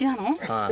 はい。